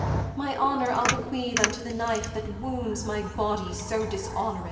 'My honour I'll bequeath unto the knife That wounds my body so dishonoured.